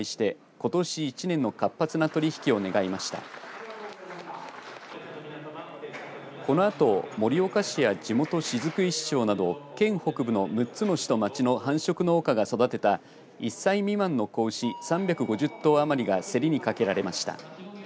このあと盛岡市や地元、雫石町など県北部の６つの市と町の繁殖農家が育てた１歳未満の子牛３５０頭余りが競りにかけられました。